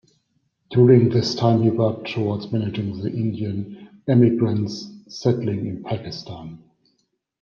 During this time, he worked towards managing the Indian emigrants settling in Pakistan.